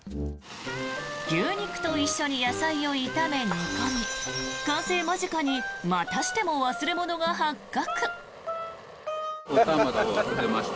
牛肉と一緒に野菜を炒め、煮込み完成間近にまたしても忘れ物が発覚。